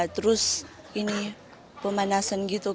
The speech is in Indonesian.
terus ini pemanasan gitu